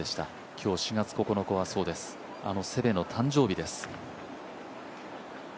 今日４月９日はそうです、セベの誕生日です。